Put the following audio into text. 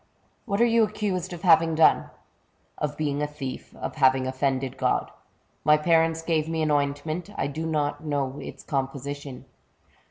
'' What are you accused of having done ?" *'.0f being a thief — of having offended God. My parents gave me an ointment ; I do not know its com position."